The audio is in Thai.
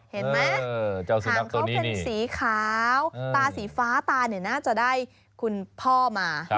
เห็นไหมเสียงเขาเป็นสีขาวตาสีฟ้าตาเนี่ยน่าจะได้คุณพ่อมา